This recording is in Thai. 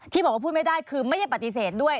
ที่บอกว่าพูดไม่ได้คือไม่ได้ปฏิเสธด้วย